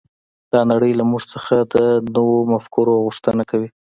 دا نړۍ له موږ څخه د نویو مفکورو غوښتنه کوي